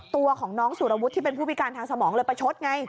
ตัวของน้องสุรวุฒิที่เป็นผู้พิการทางสมองเลยประชดไง